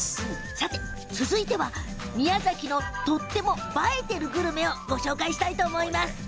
続いては宮崎のとっても映えてるグルメをご紹介したいと思います。